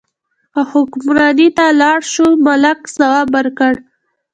که حکمرانۍ ته لاړ شو، ملک ځواب ورکړ.